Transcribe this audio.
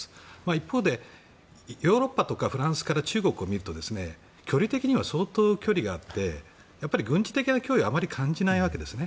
一方で、ヨーロッパとかフランスから中国を見ると距離的には相当距離があって軍事的な脅威をあまり感じないわけですね。